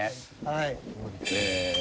はい。